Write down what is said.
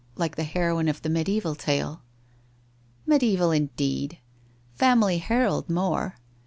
like the heroine of the mediaeval tale.' ' Mediaeval, indeed ! Family Herald ; more